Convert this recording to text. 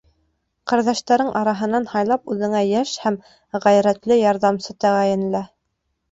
— Ҡәрҙәштәрең араһынан һайлап, үҙеңә йәш һәм ғәйрәтле ярҙамсы тәғәйенлә.